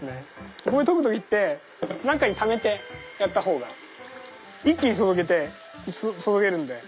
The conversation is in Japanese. お米とぐ時って何かにためてやった方が一気に注げて注げるんで。